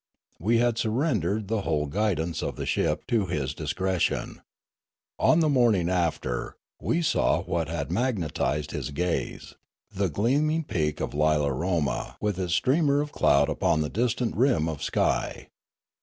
We had surrendered the whole guidance of the ship to his discretion. On the morning after, we saw what had magnetised his gaze ; the gleaming peak of Lilaroma with its streamer of cloud upon the distant rim of sk}